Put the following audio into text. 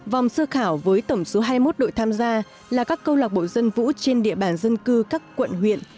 vòng sơ khảo với tổng số hai mươi một đội tham gia là các câu lạc bộ dân vũ trên địa bàn dân cư các quận huyện